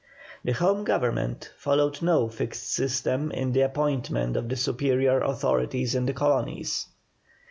The Home Government followed no fixed system in the appointment of the superior authorities in the colonies.